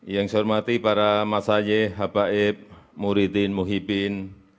yang saya hormati para mas sayyih habaib muridin muhyibin